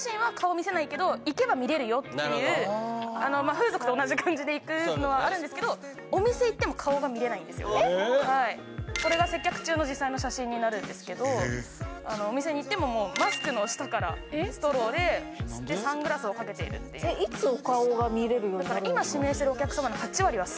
風俗と同じ感じで行くのはあるんですけどこれが接客中の実際の写真になるんですけどお店に行ってももうマスクの下からストローでサングラスをかけているっていういつお顔が見れるようになるんですか？